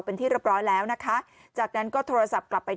เป็นที่เรียบร้อยแล้วนะคะจากนั้นก็โทรศัพท์กลับไป